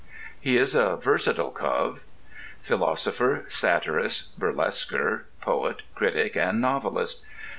He is a versatile cove. Philosopher, satirist, burlesquer, poet, critic, and novelist.